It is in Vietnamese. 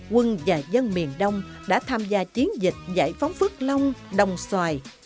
quân và dân miền đông đã tham gia chiến dịch giải phóng phước long đồng xoài